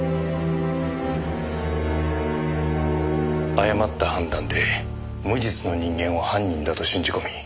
誤った判断で無実の人間を犯人だと信じ込み